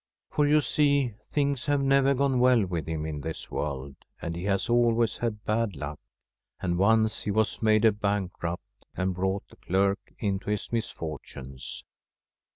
For, you see, things have never gone well with him in this world, and he has always had bad luck ; and once he was made a bankrupt, and brought the clerk into his mis fortunes.